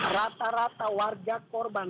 rata rata warga korban